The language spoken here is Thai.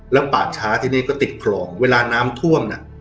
แล้วป่าช้าที่นี่ก็ติดคลองเวลาน้ำท่วมน่ะ